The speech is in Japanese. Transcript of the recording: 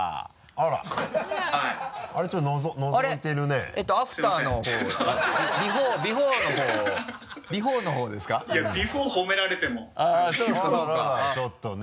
あららちょっとね。